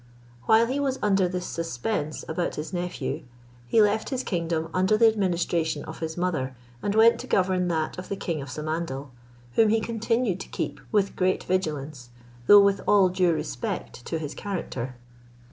Whilst he was under this suspense about his nephew, he left his kingdom under the administration of his mother, and went to govern that of the king of Samandal, whom he continued to keep with great vigilance, though with all due respect to his character.